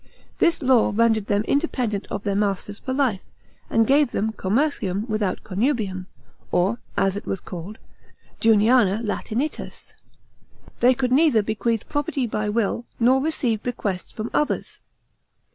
This law rendered them independent of their masters for life, and gave them commercium without connubium, or, as it was called, Juniana Latinitas. They could neither bequeath property by will, nor receive bequests from others.